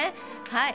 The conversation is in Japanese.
はい。